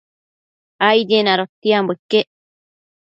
Aidien adotiambo iquec